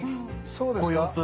そうですか？